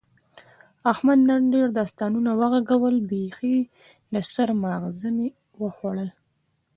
احمد نن ډېر داستانونه و غږول، بیخي د سر ماغز مې یې وخوړل.